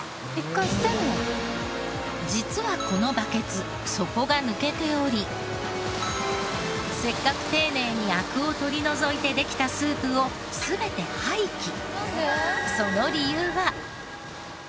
実はこのバケツ底が抜けておりせっかく丁寧にアクを取り除いてできたスープを全て廃棄。